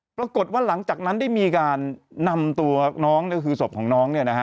ปรากฏว่าหลังจากนั้นได้มีการนำตัวน้องก็คือศพของน้อง